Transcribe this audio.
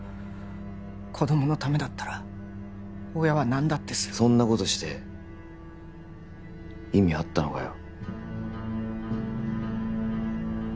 子供のためだったら親は何だってするそんなことして意味あったのかよ？